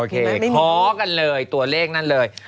พอกันเลยตัวเลขนั่นเลย